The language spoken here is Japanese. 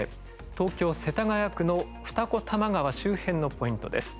東京・世田谷区の二子玉川周辺のポイントです。